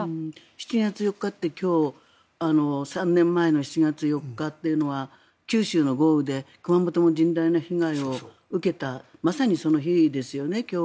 ７月４日って今日３年前の７月４日というのは九州の豪雨で熊本も甚大な被害を受けたまさにその日ですよね。